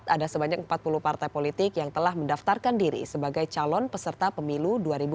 ada sebanyak empat puluh partai politik yang telah mendaftarkan diri sebagai calon peserta pemilu dua ribu dua puluh